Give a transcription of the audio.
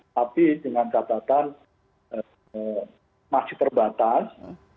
tapi dengan catatan masih terbatas